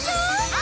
あ！